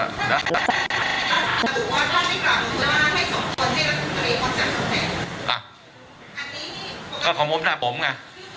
อ่านี้ก็เขาหมอน่าผมไง